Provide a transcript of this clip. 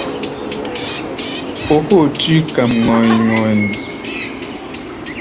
Ókóo túí kam ŋɔ̧i̧-ŋɔ̧i̧.